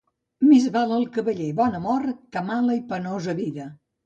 Més val al cavaller bona mort que mala i penosa vida.